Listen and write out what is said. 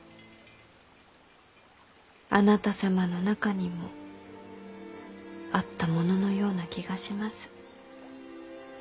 あなた様の中にもあったもののような気がします。